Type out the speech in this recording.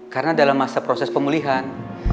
karena dalam masa proses pemulihan